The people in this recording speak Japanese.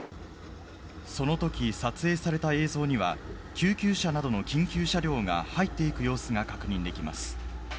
そのとき、撮影された映像には、救急車などの緊急車両が入っていく様子が確認できます。